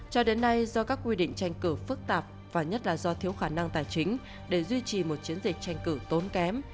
cho đến nay do các quy định tranh cử phức tạp và nhất là do thiếu khả năng tài chính để duy trì một chiến dịch tranh cử tốn kém